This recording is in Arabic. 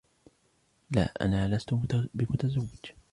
لا، أنا لست بمتزوج.